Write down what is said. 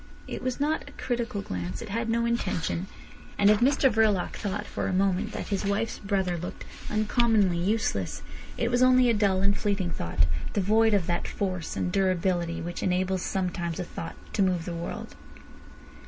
It was not a critical glance. It had no intention. And if Mr Verloc thought for a moment that his wife's brother looked uncommonly useless, it was only a dull and fleeting thought, devoid of that force and durability which enables sometimes a thought to move the world.